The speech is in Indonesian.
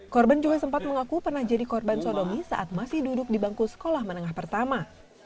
korban juga sempat mengaku pernah jadi korban sodomi saat masih duduk di bangku sekolah menengah pertama